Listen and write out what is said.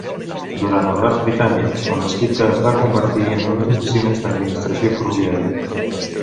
Durant el Raj Britànic, la mesquita es va convertir en unes oficines d'administració ferroviària.